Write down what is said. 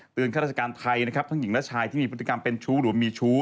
ข้าราชการไทยนะครับทั้งหญิงและชายที่มีพฤติกรรมเป็นชู้หรือมีชู้